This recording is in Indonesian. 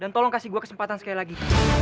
dan tolong kasih gue kesempatan sekali lagi